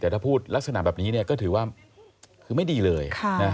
แต่ถ้าพูดลักษณะแบบนี้ก็ถือว่าคือไม่ดีเลย